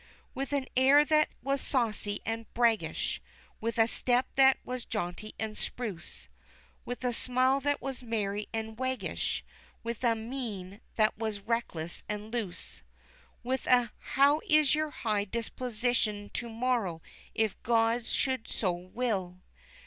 With an air that was saucy and braggish, with a step that was jaunty and spruce, With a smile that was merry and waggish, with a mien that was reckless and loose, With a "How is your high disposition to morrow, if God should so will?"